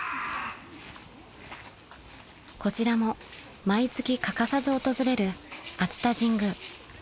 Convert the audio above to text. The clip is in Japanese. ［こちらも毎月欠かさず訪れる］